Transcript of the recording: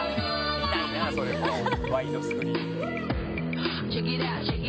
見たいなそれもワイドスクリーンで。